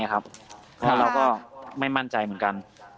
แล้วเราก็ไม่มั่นใจเหมือนกัน